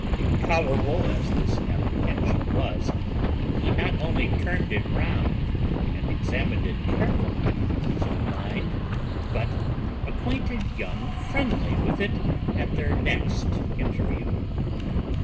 Intolerable as this apprehension was, he not only turned it round and examined it carefully in his own mind, but acquainted young Friendly with it at their next interview.